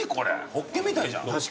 ホッケみたいじゃん。